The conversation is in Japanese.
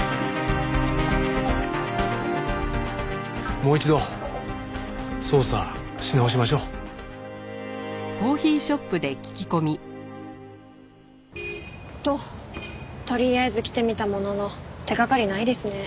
もう一度捜査し直しましょう。ととりあえず来てみたものの手掛かりないですね。